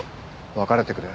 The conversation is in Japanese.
別れてくれ。